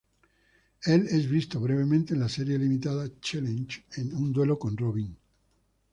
Él es visto brevemente en la serie limitada "Challenge" en un duelo con Robin.